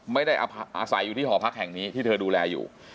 ไม่ได้อาศัยอยู่ที่หอพักแห่งนี้ที่เธอดูแลอยู่